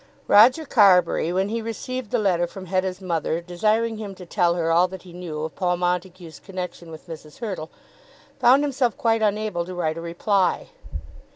Roger Carbury when he received the letter from Hetta's mother desiring him to tell her all that he knew of Paul Montague's connection with Mrs. Hurtle found himself quite unable to write a reply.